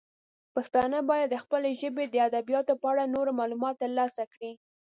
پښتانه باید د خپلې ژبې د ادبیاتو په اړه نور معلومات ترلاسه کړي.